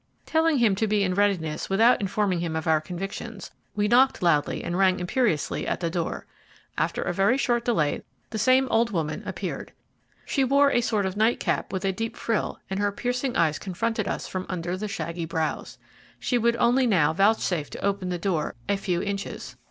Telling him to be in readiness without informing him of our convictions, we knocked loudly and rang imperiously at the door. After a very short delay the same old woman appeared. She wore a sort of night cap with a deep frill, and her piercing eyes confronted us from under the shaggy brows. She would only now vouchsafe to open the door a few inches.